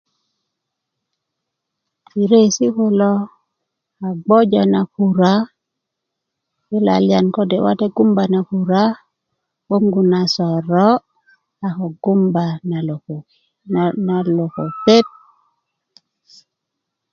biryeesi' kulo a gboja na kura yi laliyan kode' wate gumba na kura 'boŋgu na soro' ko gumba na loko na na lokopet